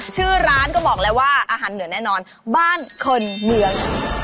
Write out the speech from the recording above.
ชื่อร้านก็บอกแล้วว่าอาหารเหนือแน่นอนบ้านคนเมือง